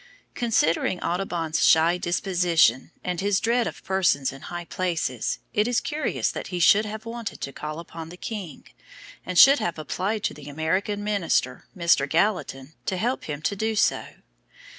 Considering Audubon's shy disposition, and his dread of persons in high places, it is curious that he should have wanted to call upon the King, and should have applied to the American Minister, Mr. Gallatin, to help him to do so.